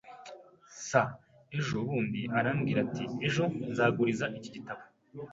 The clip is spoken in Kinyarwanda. [S] Ejo bundi arambwira ati: "Ejo nzaguriza iki gitabo."